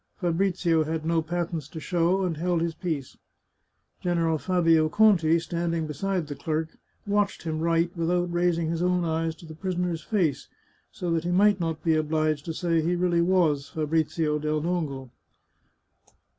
Fabrizio had no patents to show, and held his peace. Gen eral Fabio Conti, standing beside the clerk, watched him write without raising his own eyes to the prisoner's face, so that he might not be obliged to say he really was Fabrizio del Dongo.